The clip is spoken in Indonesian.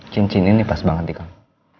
cincin ini pas banget di kang